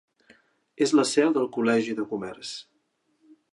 És la seu del Col·legi de Comerç.